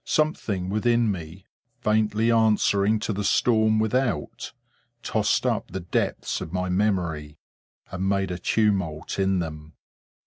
Something within me, faintly answering to the storm without, tossed up the depths of my memory, and made a tumult in them.